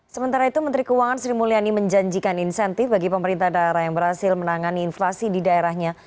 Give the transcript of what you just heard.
sementara itu menteri keuangan sri mulyani menjanjikan insentif bagi pemerintah daerah yang berhasil menangani inflasi di daerahnya